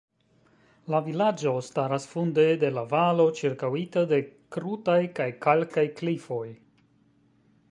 La vilaĝo staras funde de la valo ĉirkaŭita de krutaj kaj kalkaj klifoj.